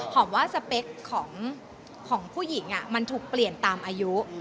ว่าสเปคของผู้หญิงมันถูกเปลี่ยนตามอายุ